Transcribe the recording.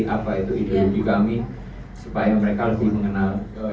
apa itu ideologi kami supaya mereka lebih mengenal